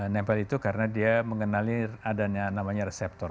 nempel itu karena dia mengenali ada yang namanya reseptor